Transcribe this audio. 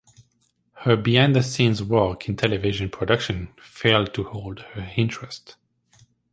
Her behind-the-scenes work in television production failed to hold her interest.